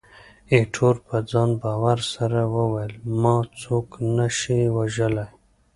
ایټور په ځان باور سره وویل، ما څوک نه شي وژلای.